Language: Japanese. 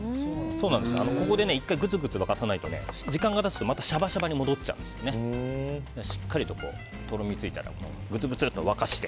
ここで１回グツグツ沸かさないと時間が経つとまたシャバシャバに戻っちゃうのでしっかりととろみついたらグツグツと沸かして。